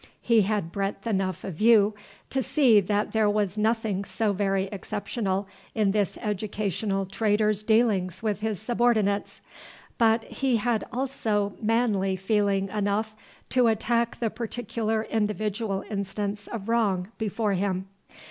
He had breadth enough of view to see that there was nothing so very exceptional in this educational trader's dealings with his subordinates, but he had also manly feeling enough to attack the particular individual instance of wrong before him.